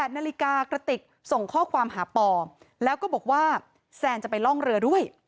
๘นาฬิกากระติกส่งข้อความหาปอแล้วก็บอกว่าแซนจะไปล่องเรือด้วย